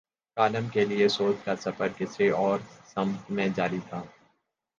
Column کے لیے سوچ کا سفر کسی اور سمت میں جاری تھا۔